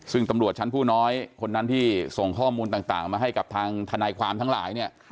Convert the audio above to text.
ซึ่งตำรวจชั้นผู้น้อยคนนั้นที่ส่งข้อมูลต่างมาให้กับทางทนายความทั้งหลายเนี่ย